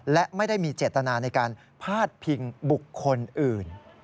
และไม่ได้มีเจตนาในการพาดพิงบุคคลอื่น